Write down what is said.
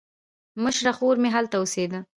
مشره خور مې هلته اوسېده.